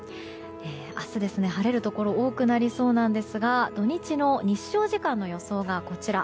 明日、晴れるところが多くなりそうですが土日の日照時間の予想がこちら。